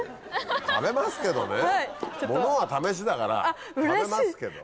食べますけどね物は試しだから食べますけど。